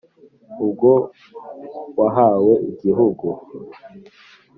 Ubwo wahawe igihugu,